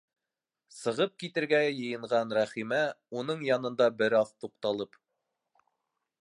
Сығып китергә йыйынған Рәхимә, уның янында бер аҙ туҡталып.